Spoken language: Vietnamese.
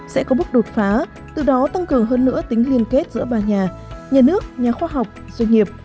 sẽ có bước đột phá từ đó tăng cường hơn nữa tính liên kết giữa ba nhà nhà nước nhà khoa học doanh nghiệp